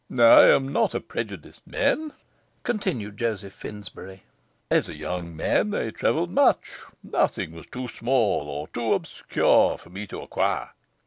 'I am not a prejudiced man,' continued Joseph Finsbury. 'As a young man I travelled much. Nothing was too small or too obscure for me to acquire.